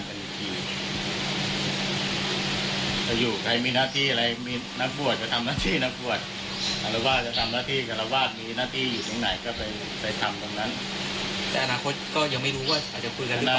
จะคุยกันหรือเปล่า